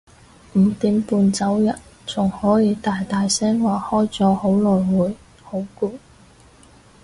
五點半走人仲可以大大聲話開咗好耐會好攰